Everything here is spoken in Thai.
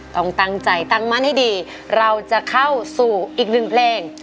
ต้องตั้งใจตั้งมั่นให้ดีเราจะเข้าสู่อีกหนึ่งเพลง